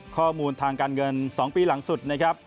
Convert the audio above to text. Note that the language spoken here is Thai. ข้อมูลทางการเงิน๒ปีหลังสุด